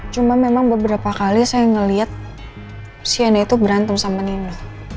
cuma memang beberapa kali saya ngelihat shaina itu berantem sama nino